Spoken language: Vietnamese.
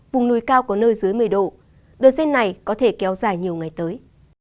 vùng núi cao có nơi dưới một mươi độ đợt rét này có thể kéo dài nhiều ngày tới